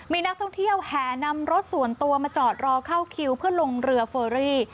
มีนักท่องเที่ยวแห่นำรถส่วนตัวมาจอดรอเข้าคิวเพื่อลงเรือเฟอรี่